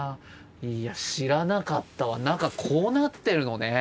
いや知らなかったわ中こうなってるのね！